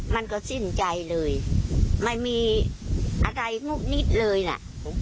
มันก็สิ้นใจเลยไม่มีอะไรงุบนิดเลยน่ะ